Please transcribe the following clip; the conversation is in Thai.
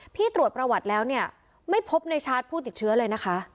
ตรวจประวัติแล้วเนี่ยไม่พบในชาร์จผู้ติดเชื้อเลยนะคะ